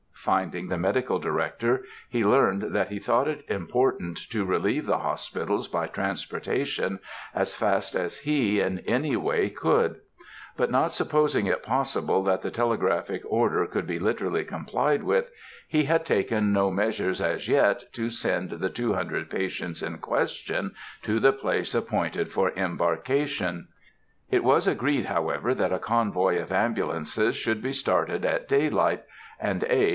Finding the Medical Director, he learned that he thought it important to relieve the hospitals by transportation as fast as he, in any way, could; but not supposing it possible that the telegraphic order could be literally complied with, he had taken no measures as yet to send the two hundred patients in question to the place appointed for embarkation. It was agreed, however, that a convoy of ambulances should be started at daylight, and A.